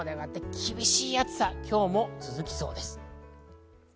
厳しい暑さ、今日も続きそうです。